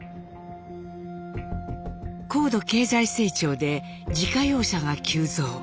高度経済成長で自家用車が急増。